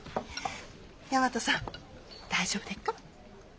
大和さん大丈夫でっか？